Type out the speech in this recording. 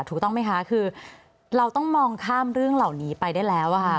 ถูกต้องไหมคะคือเราต้องมองข้ามเรื่องเหล่านี้ไปได้แล้วค่ะ